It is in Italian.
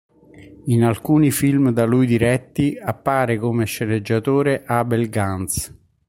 In alcuni film da lui diretti, appare come sceneggiatore Abel Gance.